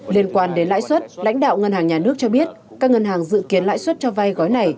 liên quan đến lãi suất lãnh đạo ngân hàng nhà nước cho biết các ngân hàng dự kiến lãi suất cho vay gói này